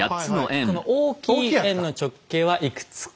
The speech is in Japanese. この大きい円の直径はいくつか。